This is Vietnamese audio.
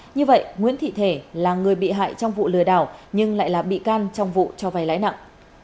như vậy nguyễn thị thể là người bị hại trong vụ lừa đảo nhưng lại là bị can trong vụ cho vay lãi nặng